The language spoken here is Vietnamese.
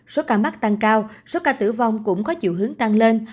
số ca mắc tăng cao số ca tử vong cũng có chiều hướng tăng lên